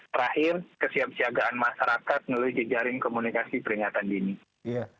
terakhir kesiap siagaan masyarakat melalui jejaring komunikasi peringatan dini